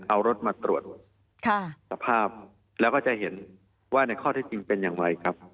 เอารถมาตรวจสภาพแล้วก็จะเห็นว่าในข้อเท็จจริงเป็นอย่างไรครับ